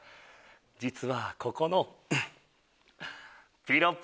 実はここの。